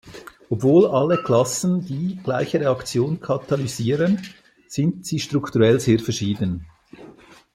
Obwohl alle Klassen die gleiche Reaktion katalysieren, sind sie strukturell sehr verschieden.